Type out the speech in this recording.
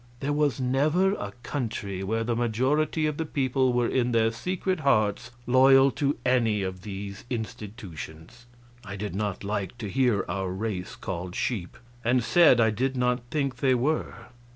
There was never a country where the majority of the people were in their secret hearts loyal to any of these institutions." I did not like to hear our race called sheep, and said I did not think they were.